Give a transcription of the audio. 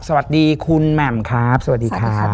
และในค่ำคืนวันนี้แขกรับเชิญที่มาเยี่ยมสักครั้งครับ